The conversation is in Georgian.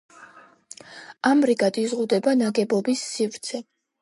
ამრიგად იზღუდება ნაგებობის სივრცე.